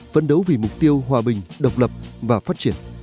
phấn đấu vì mục tiêu hòa bình độc lập và phát triển